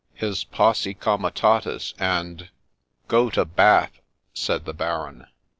' His posse comitatus, and '' Go to Bath !' said the Baron.